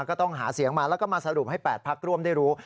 ก็ต้องหาเสียงมาแล้วก็มาสรุปให้๘พักร่วมได้รู้